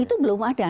itu belum ada